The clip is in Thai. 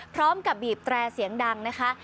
พร้อมกับบีบแตรเสียงดังนะคะ